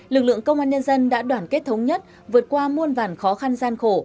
lực lượng công an nhân dân đã đoàn kết thống nhất vượt qua muôn vàn khó khăn gian khổ